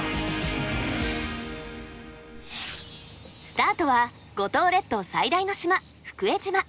スタートは五島列島最大の島福江島。